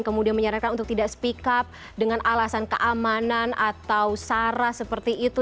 kemudian menyarankan untuk tidak speak up dengan alasan keamanan atau sara seperti itu